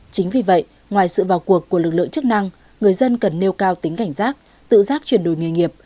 chính vì vậy ngoài sự vào cuộc của lực lượng chức năng người dân cần nêu cao tính cảnh giác tự giác chuyển đổi nghề nghiệp